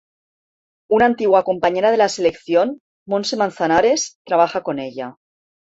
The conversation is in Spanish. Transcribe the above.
Una antigua compañera de la selección, Montse Manzanares, trabaja con ella.